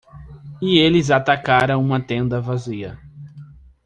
E eles atacaram uma tenda vazia.